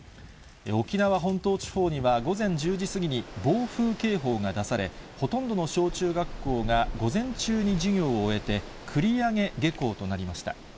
沖縄本島地方には午前１０時過ぎに、暴風警報が出され、ほとんどの小中学校が午前中に授業を終えて、繰り上げ下校となりました。